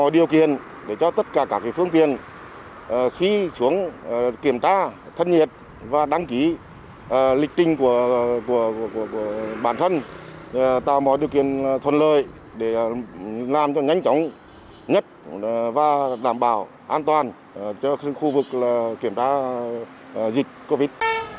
điều kiện để cho tất cả các phương tiện khi xuống kiểm tra thân nhiệt và đăng ký lịch trình của bản thân tạo mọi điều kiện thuận lợi để làm cho nhanh chóng nhất và đảm bảo an toàn cho khu vực kiểm tra dịch covid